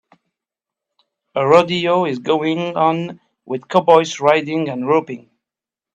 A rodeo is going on with cowboys riding and roping.